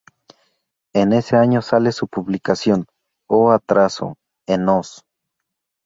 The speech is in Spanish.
En ese año sale su publicación "O atraso e Nós.